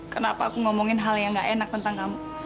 kenapa aku ngomongin hal yang gak enak tentang kamu